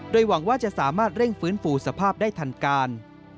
หวังว่าจะสามารถเร่งฟื้นฟูสภาพได้ทันการ